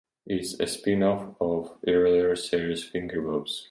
It is a spin-off of the earlier series Fingerbobs.